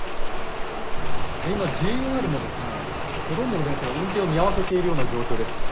今、ＪＲもほとんどの電車が運転を見合わせているような状況です。